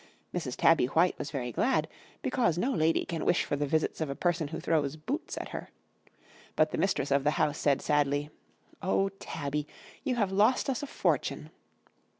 Mrs. Tabby White was very glad because no lady can wish for the visits of a person who throws boots at her. But the Mistress of the house said sadly, 'Oh, Tabby! you have lost us a fortune!'